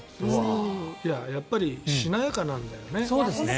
やっぱりしなやかなんだよね。